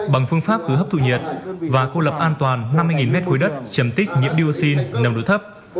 bằng phương pháp cứ hấp thụ nhiệt và cô lập an toàn năm mươi mét khối đất trầm tích nhiễm dioxin nồng độ thấp